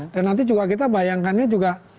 dan nanti juga kita bayangkannya juga